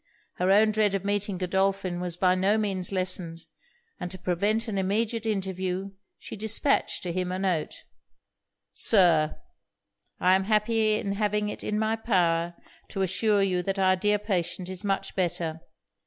Her own dread of meeting Godolphin was by no means lessened; and to prevent an immediate interview, she dispatched to him a note. 'Sir, 'I am happy in having it in my power to assure you that our dear patient is much better.